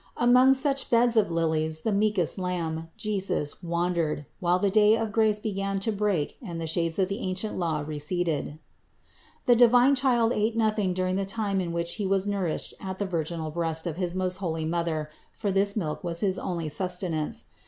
Among such beds of lilies the meekest Lamb, Jesus, wandered, while the day of grace began to break and the shades of the ancient Law receded. 548. The divine Qr'ld ate nothing during the time in which He was nourished at the virginal breast of his most holy Mother, for this milk was his only sustenance.